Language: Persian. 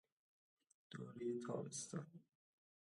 دورهی تابستانی